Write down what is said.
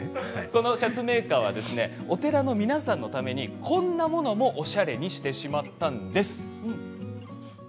このシャツメーカーはお寺の人たちのためにこんなおしゃれなものもシャツにしてしまったんです。